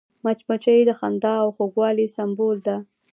مچمچۍ د خندا او خوږوالي سمبول ده